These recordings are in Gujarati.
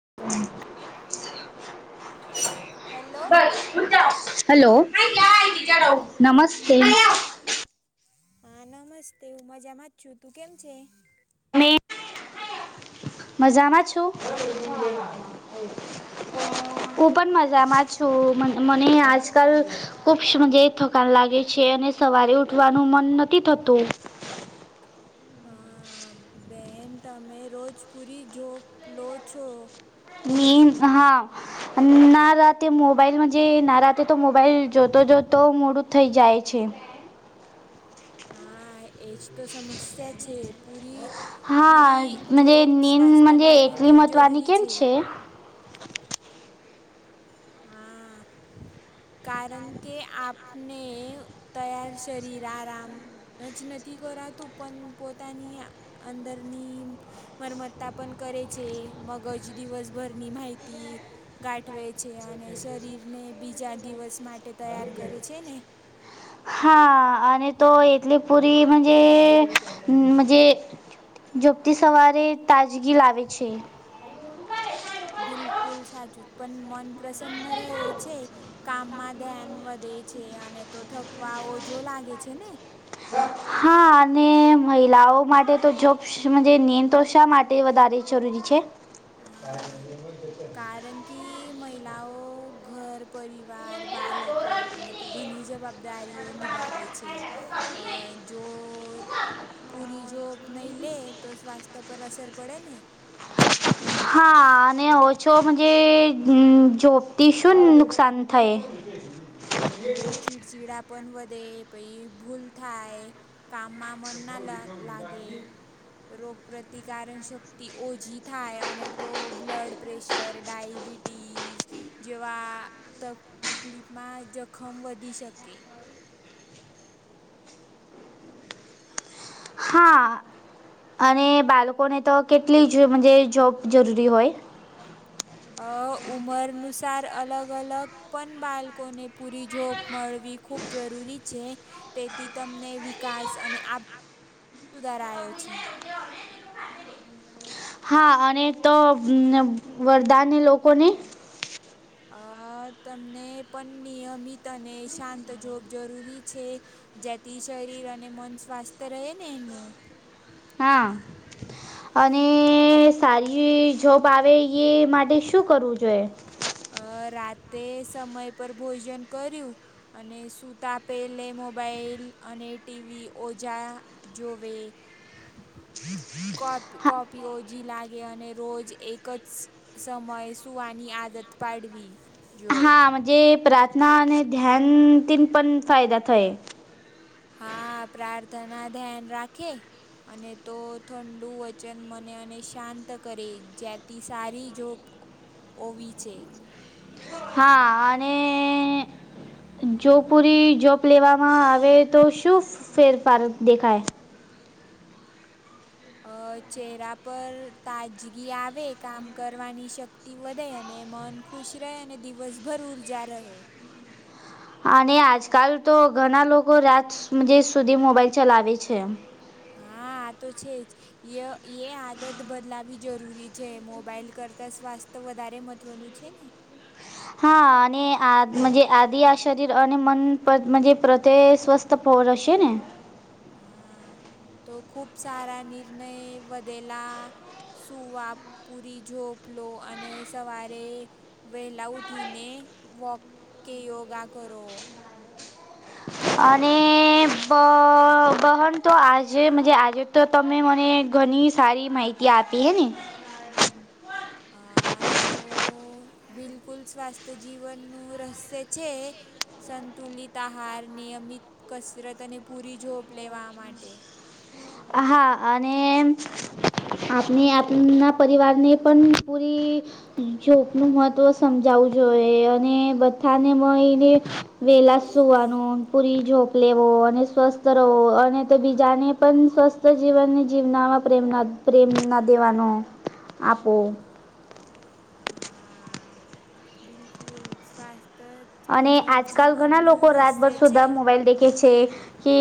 [inaudible] હેલો બસ. [unintelligible] હલો [inaudible] હા બોલો હા નમસ્તે હું મજામાં જ છું તું કેમ છે મેં મજામાં છું હું પણ મજામાં જ તો મન મને આજકાલ ખૂબ મુજે થકાન લાગે છે અને સવારે ઉઠવાનું મન નથી થતું અ બેહેન તમે રોજ પૂરી જોબ લો છો. હમ્મ હા ના રાતે મો મોબાઈલમાં જે ના રાતે તો મોબાઈલ જોતો જોતો મોડું થઈ જાય છે. હા એજ તો સમસ્યા છે પૂરી હા પૂરી મજે જોબ નીંદ સ્વાસ્થ્ય મજે માટે એટલી ખૂબ મહત્ત્વની જરૂરી કેમ છે. હા. કારણ કે આપને તૈયાર શરીર આરામ રજ નથી કરાતું પણ પોતાની અંદરની મરમત્તા પણ કરે છે મગજ દિવસ ભરની માહિતી ગાઠવે છે અને શરીરને બીજા દિવસ માટે તૈયાર કરે છે ને હા અને તો એટલી પુરી મજે મજે ઝોપતી સવારે તાજગી લાવે છે. બિલકુલ સાચું પણ મન પ્રસન્ન રહે છે કામમાં ધ્યાન વધે છે અને તો થકવા ઓ જો લાગે છે ને હા અને મહિલાઓ માટે તો જોબ મુજે નિયમો શા માટે વધારવી જરૂરી છે. હા. કારણ કે મહિલાઓ, ઘર, પરિવાર, બાલકો અને તો ઘની જવાબદારીઓ નિભાવે છે અ જો પૂરી જોબ નહીં લે તો સ્વાસ્થ્ય પર અસર પડે ને હા અને ઓછોબજ જોપથી શું નુકસાન થાય. [inaudible] આ તો ચીડચીડા પણ વધે પહી ભૂલ થાય કામમાં મન ના લા લાગે રોગપ્રતિકારક શક્તિ ઓઝી થાય અને તો બ્લડ પ્રેશર ડાઈબિટ ટીઝ જેવા તકલીપમાં જખમ વધી શકે. હા અને બાળકોને તો કેટલી જેમજે જોબ જરૂરી હોય. અ ઉમર અનુસાર અલગ અલગ પન બાળકોને પૂરી જોબ મળવી ખૂબ જરૂરી છે. તેતી તમને વિકાસ અને આ [inaudible] સુધારાયો છે. હા અને તો વરદાનને લોકોને અ તમને પણ નિયમિત અને શાંત જોબ જરૂરી છે. જેથી શરીર અને મન સ્વાસ્થ રહે ને એનું. હા અને સારી જોબ આવે એઈ માટે શું કરવું જોઈએ? અ રાતે સમય પર ભોજન કર્યું. અને સુતા પહેલે મોબાઈલ અને ટીવી ઓજા જોવે. કો હા કોપીઓજી લાગે અને રોજ એક જ સમયે સુવાની આદત પાડવી. જોઈએ હા મજે પ્રાર્થના અને ધ્યાનથીન પણ ફાયદા થય. હા પ્રાર્થના ધ્યાન રાખે અને તો ઠંડુ વચન મને અને શાંત કરે જ્યાથી સારી જોબ ઓવી છે. હા અને જો પૂરી જોબ લેવામાં આવે તો શું ફેરફાર દેખાય? અ ચહેરા પર તાજગી આવે કામ કરવાની શક્ત ઈ વધે અને મન ખુશ રહે અને દિવસભર ઉર્જા રહે. અને આજકાલ તો ઘણા લોકો રાત સુધી સુધી મોબાઈલ ચલાવે છે. હા આ તો છે જ. ય-યે આદત બદલાવી જરૂરી છે મોબાઈલ કરતા સ્વાસ ત વધારે મહત્વનું છે ને. હા અને આ મજે આધી આ શરીર અને મન પર પ્રત સ્વસ્થ તો પોરશે ને. હા તો ખુબ સારા નિર્નય વધેલા સુવા પૂરી ઝોપલો અને સવારે વહેલા ઉઠીને વોક કે યોગા કરો. અને બ-બહન તો આજે મજે આજે તો તમે મને ઘની સારી માહિતી આપી હે ને. આ તો બિલકુલ સ્વાસ્થ્ય જીવનનું રહસ્ય છે. સંતુલિત આહાર નિયમિત કસરત અને પૂરી જોબ લેવા માટે. હા અને આપને આપના પરિવારને પણ પૂરી [unintelligible] મહત્ત્વ સમજાવવું જોઈએ અને બધાને મળીને વેલા સુવાનું પૂરી [unintelligible] લેવો અને સ્વસ્થ રહવો અને તો બીજાને પણ સ્વસ્થ જીવનની જીવનામાં પ્રેમના પ્રેમ ના દેવાનો આપો. હા બિલકુલ સ્વાસ્થ જ અને એ આજકાલ ઘણા જીવનનું લોકો રાતભર રહસ્ય સુધા છે મોબાઈલ દેખે છે. કે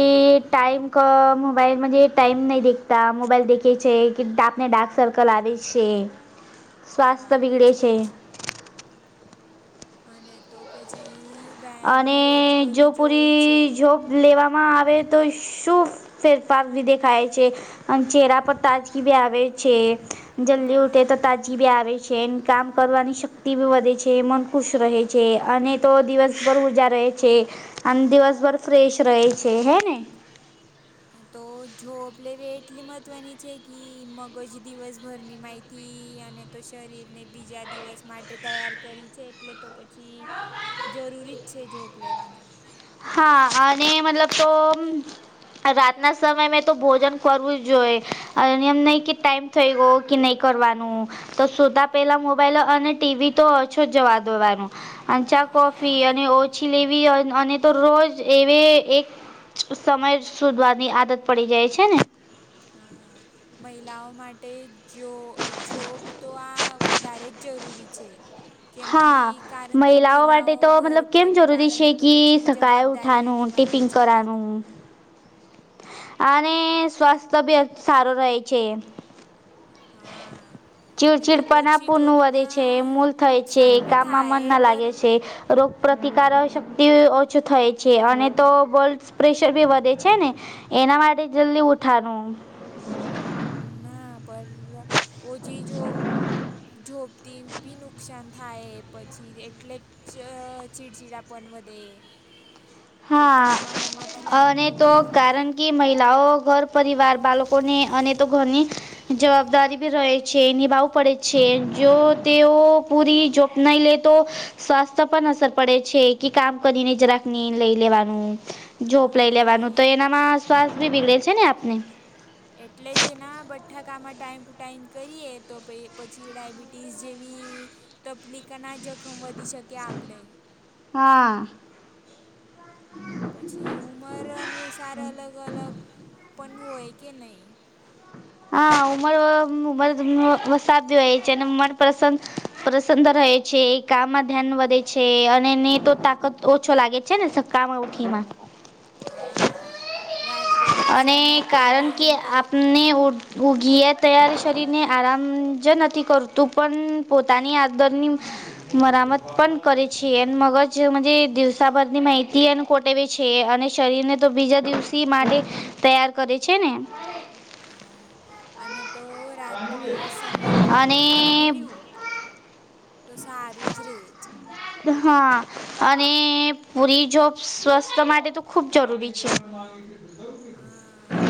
ટાઈમ ક મોબાઈલ મજ ટાઈમ નહી દેખતા મોબાઈલ દેખે છે કે આપને ડાક સર્કલ આવે છે હા સ્વાસ્થ્ય આ તો બિગડે છે. જ અને તો પછી વ્યાયામ બી રોજ અને જો કરવું જોઈ છે. પૂરી જોબ લેવામાં આવે તો શું ફેરફાર ભી દેખાય છે. અન ચહેરા પર તાજગી ભી આવે છે જલ્દી ઉઠે હા તો તા જી આવે છે કામ કરવાની શક્તિ બી વધે છે, મન ખુશ રહે છે અને તો દિવસ સૌર ઊર્જા રહે છે અને દિવસભર ફ્રેશ રહે છે હે ને? તો જોબ લેવી એટલી મહત્વની છે કી મગજ દિવસભરની માહિ થી અને તો શરીરને બીજા દિવસ માટે તૈયાર કરી છે એટલે તો પછી જરૂરી જ છે જોબ લેવાનું. હા અને મતલબ તો રાતના સમય મેં તો ભોજન કરવું જ જોઈએ અને એમ નહીં કે ટાઈમ થઈ ગયો કે નહીં કરવાનું. તો સુતા પેલા મોબાઈલ અને ટીવી તો ઓછો જવા દેવાનો. અને ચા, હા કોફી અને ઓછી લેવી અને તો રોજ એવે એક સમય શોધવાની આદત પડી જાય છે ને. હમ્મ. મહિલાઓ માટે જો અ જોબ તો આ વધારે જ જરૂરી છે. કેમ કી હા કારણ કે માટે મહિલાઓ તો ઘર, મતલબ કેમ પરિવાર જરૂરી અને છે તો પછી જવાબદારીઆ નિવાવેે છે. ને કરાનુ. અને સ્વાસ્થ્ય, તબિયત સારો રહે છે. હા. ને તો ચીડચીડપના ઓછી પુરનું વધે જોબના છે, મૂલ થાય છે, નુકસાન બી કામમાં મન ના થાય પર લાગે છે. રોગપ્રતિકારક શક્તિ ઓછું થાય છે અને તો બ્લસ પ્રેશર બી વધે છે ને! એના માટે જલ્દી ઉઠાનું. ના પર ઓજી જોપ જોબ તેન બી નુકસાન થાય પછી એટલે જ ચ ચીડચીડા પન વધે. પહિ હા કામમાં મન નથી અને તો લાગતું કારણ કે મહિલાઓ ઘર પરિવાર બાલકોને અને તો ઘરની જવાબદારી ભી રહે છે નિભાવું પડે છે જો તેઓ પૂરી જો નહી લે તો સ્વાસ્થ્ય પણ અસર પડે છે કે કામ કરીને જરાકની લઈ લેવાનું જોપ લઈ હા લેવાનું એ તો એનામાં શ્વાસ ભીલે છે ને આપને. એટલે જ એના બઢાકામાં ટાઈમ ટુ ટાઈમ કરીએ તો પઈ પછી ડાયબિટીસ જેવી તપલીકના જખમ વધી શકે આપને. હા. પછી ઉંમરનું સાર અલગ-અલગ પનુ હોય કે નહીં? હા ઉમર ઉમર [unintelligible] હોય છે અને મનપસંદ પ્રસન્ન રહે છે, કામમાં ધ્યાન વધે છે અને નઈ તો તાકાત ઓછો લાગે છે ને સક્કારામાં ઉઠીમાં. હા રાત્રે બી અને સમય પર કારણ કે ભોજન કર આપને ઉ ઉગીએ ત્યારે શરીરને આરામ જ નથી કરતું પન પોતાની આ દતની મરામત પણ કરે છે એ મગજ મજે દિવ [unintelligible] ભરની માહિતી અને કોટે [unintelligible] છે અને શરીરને તો બીજા દિવસી માટે તૈયાર કરે છે ને? હા અને તો રાત્રે સમય પર અને ભોજન કર્યું. તો સારું જ રે છે. હા. અને પૂરી જોબ સ્વસ્થ માટે તો ખૂબ જરૂરી છે. આહ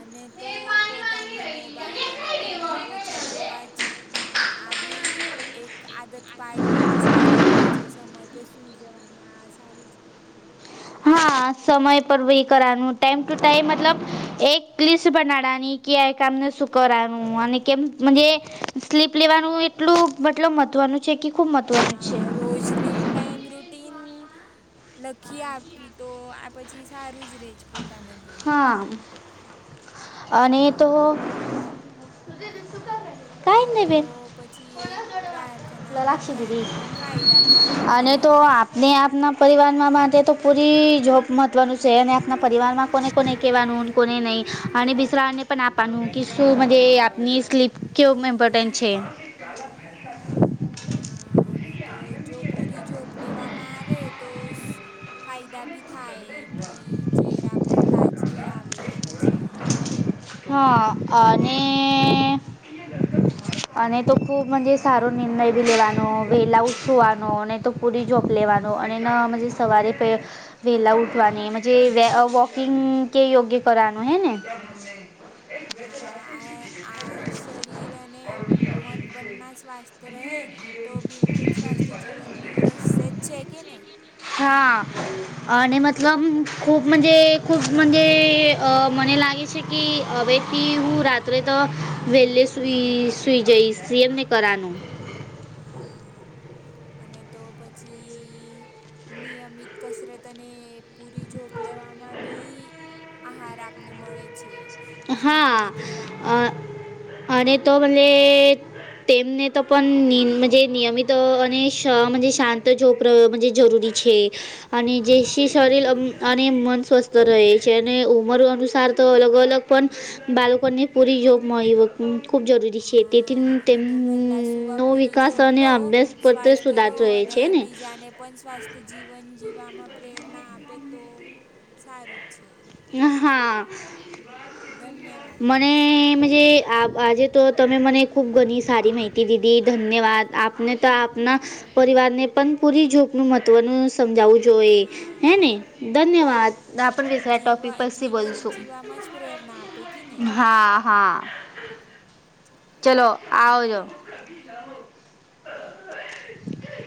અને તો પોતાને મોબાઈલ અને ટીવી ઓછા જોવા જ આ બી એક આદત, પાડવીની સારી નથી છે સમય પે સુઈ જવાનું આ સારું છે. હા સમય પર વે કરાનું ટાઈમ ટુ ટાઈમ મતલબ એક લિસ્ટ બનાડાની કયા કામનું શું કરાનું અને કેમ મંજે સ્લીપ લેવાનું એટલું મતલબ મહત્ત્વનું છે કે ખૂબ મહત્વનું હા છે રોજની ટાઈમ રૂટ ટીન લખી આપવી તો આ પછી સારું જ રહે જ પોતાને બી હા અને તો, હા કાઈ ને નહી તો બેન પછી પ્રાર્થના અને લલાક્ષી દીદી ધ્યાનથી પણ ફાયદા થાય કે ને ને આપના પરિવારમાં માટે તો પૂરી જોબ મહત્ત્વનું છે અને આપના પરિવારમાં કોને કોને કેવાનું કોને નહી અને બિસરાને પણ આપણુ ક શું આપની સ્લીપ કેવ ઇમ્પોર્ટેન્ટ છે. [inaudible] હા અને તો જો પુરી જોપ લેવામાં આવે તો ફાયદા બી થાય કે ચહેરા પર તાજગી આવે પછી હા અને અને તો ખુબજ સારો નિર્ણય બી લેવાનો વેલા છવાનો તો પૂરી જોપ લેવાનો અને સવારે પ વેલા ઉઠવાનીજ વ વોકિંગ કે યોગ્ય કરવાનું હૈ ને ને હ આ આ શરીર અને મન બનના સ્વાસ્થ્ય રહે તો બિલકુલ સ્વાસ્થ્ય જીવનનું રહસ્ય જ છે કે નહીં હા અને મતલબ ખૂબ મજે ખૂબ મજે અ મને લાગે છે કે હવેથી હું રાત્રે તો વહેલે સુઈ સુઈ જઈશ એમને કરવાનું હા અને તો પછી નિયમિત કસરત અને પૂરી જોઝપ લેવામાં બી આહાર આપને મળે છે સંતુલિત રહેેવામાં અને તો મે, તેમને તો પણ નિયમિત અને શ શાંત જોપ જરૂરી છે. અને જે શી શરીર અને મન સ્વસ્થ રહે છે. અને ઉંમર અનુસાર તો અલગ અલગ પણ બાળકોને પૂરી જોગ મળી વ ખૂબ જરૂરી છે હા તેથી અને તેમ તો વહેલા સુવા નવ પૂરી વિકાસ જોપ અને લો અભ્યાસ પત્ર સ્વાસ્થ્ય રહો સુધારતો રહે અને છે ને બીજાને પણ સ્વાસ્થ્ય જીવન જીવવામાં પ્રેરણા આપે તો સારું જ છે. હા ધન્યવાદ મનેજ આ આજે તો તમે મને ખૂબ ઘણી સારી માહિતી દીધી ધન્યવાદ આપ ને તો આપના પરિવાર ને પણ પૂરી જોપનું મહત્વનું સમજાવું જો હે હા ને ઓ ધન્યવાદ આપ [unintelligible] જીવા પછી જીવન બોલશું જીવામાં જ પ્રેરણા આપે કી ને હા હા હા [unintelligible] ચલો આવજો.